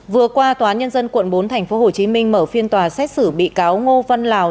vừa qua tòa án nhân dân quận bốn tp hcm mở phiên tòa xét xử bị cáo ngô văn lào